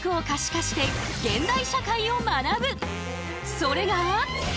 それが。